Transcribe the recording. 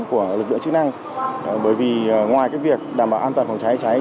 của lực lượng chức năng bởi vì ngoài việc đảm bảo an toàn phòng cháy cháy